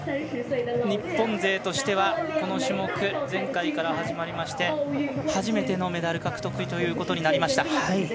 日本勢としては、この種目前回から始まりまして初めてのメダル獲得となりました。